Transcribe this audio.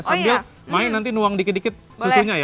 sambil main nanti nuang dikit dikit susunya ya